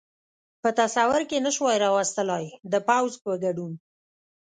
په تصور کې نه شوای را وستلای، د پوځ په ګډون.